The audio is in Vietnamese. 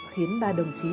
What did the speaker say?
khiến ba đồng chí hy sinh